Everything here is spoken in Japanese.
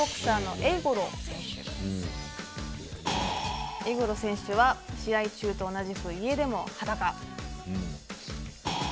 英五郎選手は試合中と同じく家でも裸。